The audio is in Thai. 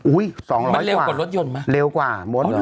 อุ้ย๒๐๐กว่ามันเร็วกว่ารถยนต์มั้ย